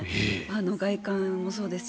外観もそうだし。